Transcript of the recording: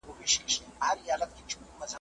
خپلو هغو افغانانو ته د هدایت دعا کوم ,